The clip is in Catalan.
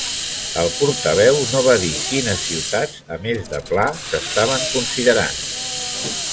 El portaveu no va dir quines ciutats, a més de Pla, s'estaven considerant.